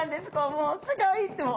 もうすごいってもう。